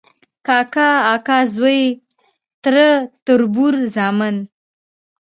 کاکا، اکا زوی ، تره، تربور، زامن ،